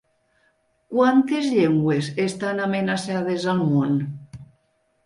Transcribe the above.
Quantes llengües estan amenaçades al món?